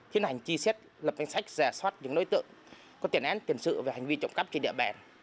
tiến hành chi xét lập danh sách giả soát những đối tượng có tiền án tiền sự về hành vi trộm cắp trên địa bàn